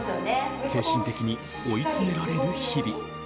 精神的に追い詰められる日々。